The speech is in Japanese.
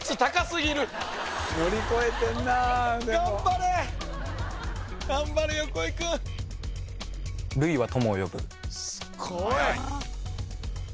すっごい